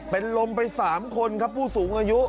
เป็นลมไป๓คนครับผู้สูงอายุ